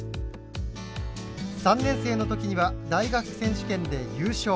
３年生の時には大学選手権で優勝。